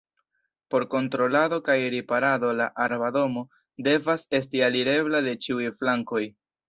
Por kontrolado kaj riparado la arba domo devas esti alirebla de ĉiuj flankoj.